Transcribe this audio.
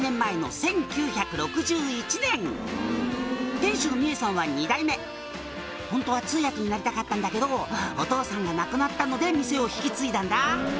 「店主の美惠さんは２代目」「ホントは通訳になりたかったんだけどお父さんが亡くなったので店を引き継いだんだ」